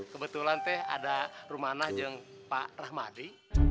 kebetulan teh ada rumah nah pak rahmadi